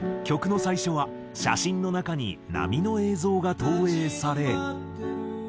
曲の最初は写真の中に波の映像が投影され。